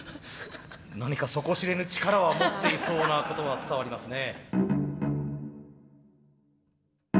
何か底知れぬ力は持っていそうなことは伝わりますね。